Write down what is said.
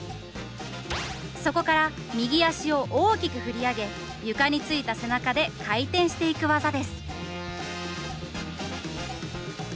そこから右足を大きく振り上げ床についた背中で回転していく技です。